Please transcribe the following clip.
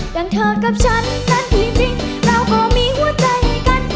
แต่เธอกับฉันนั้นจริงเราก็มีหัวใจกัน